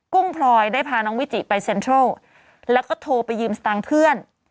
ุ้งพลอยได้พาน้องวิจิไปเซ็นทรัลแล้วก็โทรไปยืมสตางค์เพื่อน